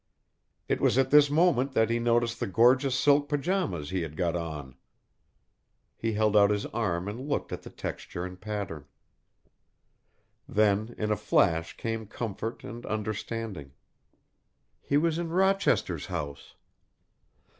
It was at this moment that he noticed the gorgeous silk pyjamas he had got on. He held out his arm and looked at the texture and pattern. Then, in a flash came comfort and understanding. He was in Rochester's house.